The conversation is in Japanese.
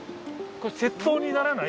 これ窃盗にならない？